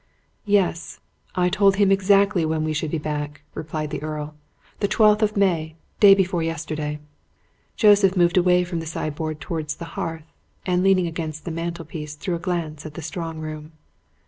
"Yes I told him exactly when we should be back," replied the Earl. "The twelfth of May day before yesterday." Joseph moved away from the sideboard towards the hearth, and leaning against the mantelpiece threw a glance at the strong room.